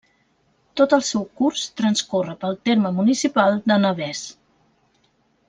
Tot el seu curs transcorre pel terme municipal de Navès.